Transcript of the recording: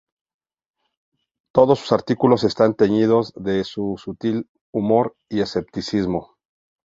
Todos sus artículos están teñidos de un sutil humor y escepticismo.